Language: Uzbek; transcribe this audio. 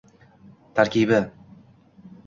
Tarkibi